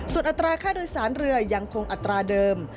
ส่วนอัตราค่าโดยสารเรือยังคงอัตราเดิม